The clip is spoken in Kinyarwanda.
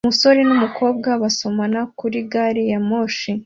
Umusore n'umukobwa basomana kuri gari ya moshi